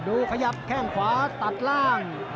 ดูขยับแทงขว้าตัดร่าง